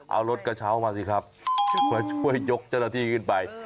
เอารถกระเช้ามาสิครับมาช่วยยกเจ้าหน้าที่ขึ้นไป